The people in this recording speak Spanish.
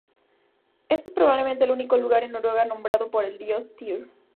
Este es probablemente el único lugar en Noruega nombrado por el dios Tyr.